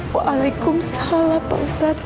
waalaikumsalam pak ustadz